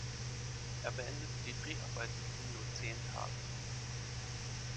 Er beendete die Dreharbeiten in nur zehn Tagen.